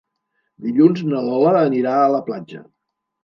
Dilluns na Lola anirà a la platja.